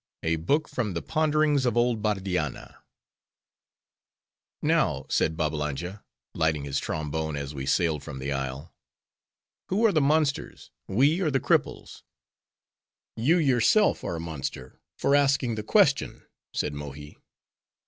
A Book From The "Ponderings Of Old Bardianna" "Now," said Babbalanja, lighting his trombone as we sailed from the isle, "who are the monsters, we or the cripples?" "You yourself are a monster, for asking the question," said Mohi.